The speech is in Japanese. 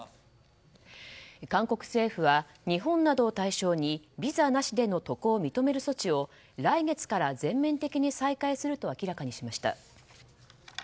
韓国政府は日本などを対象にビザなしでの渡航を認める措置を来月から全面的に再開すると明らかにしました。